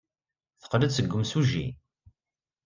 Teqqel-d seg yimsujji.